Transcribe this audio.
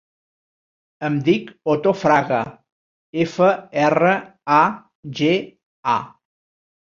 Em dic Otto Fraga: efa, erra, a, ge, a.